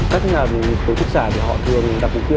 các nhà tổ chức giả thì họ thường đặt mục tiêu